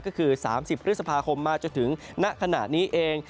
ก็คือ๓๐พฤษภาคมมาจนถึงณขณะนี้เอง